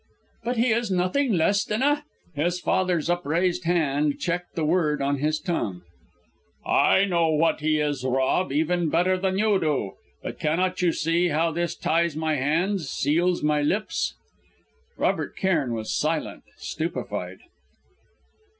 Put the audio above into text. "But he is nothing less than a " His father's upraised hand checked the word on his tongue. "I know what he is, Rob, even better than you do. But cannot you see how this ties my hands, seals my lips?" Robert Cairn was silent, stupefied.